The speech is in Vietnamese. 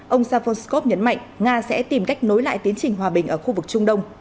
ông savoskov nhấn mạnh nga sẽ tìm cách nối lại tiến trình hòa bình ở khu vực trung đông